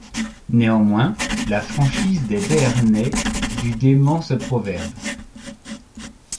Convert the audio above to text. Néanmoins, la franchise des Béarnais du dément ce proverbe.